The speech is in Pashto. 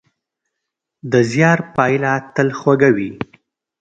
د زیار پایله تل خوږه وي.